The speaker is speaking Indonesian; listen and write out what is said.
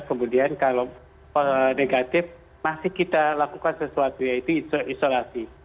kemudian kalau negatif masih kita lakukan sesuatu yaitu isolasi